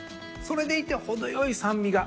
それでいて程よい酸味が。